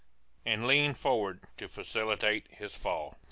"] and leaned forward to facilitate his fall.